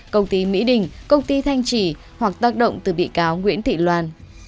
công ty mỹ đình công ty thanh trì hoặc tác động từ bị cáo nguyễn thị loan